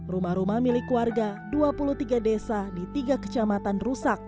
rumah rumah milik warga dua puluh tiga desa di tiga kecamatan rusak